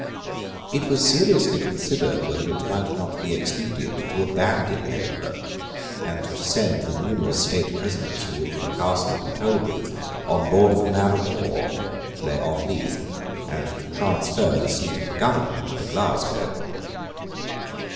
It was seriously considered whether it might not be expedient to abandon Edinburgh, to send the numerous state prisoners who were in the Castle and the Tolbooth on board of a man of war which lay off Leith, and to transfer the seat of government to Glasgow.